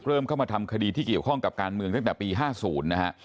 เริ่มเข้ามาทำคดีที่เกี่ยวข้องกับการเมืองตั้งแต่ปี๕๐นะฮะ